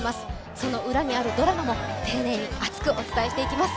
その裏にあるドラマも、丁寧に熱くお伝えしていきます。